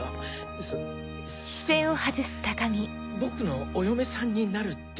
そその僕のお嫁さんになるっていう。